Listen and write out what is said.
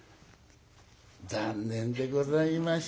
残念でございました。